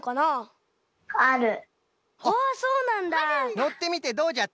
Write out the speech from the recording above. のってみてどうじゃった？